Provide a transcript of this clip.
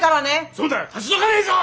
そうだ立ち退かないぞ！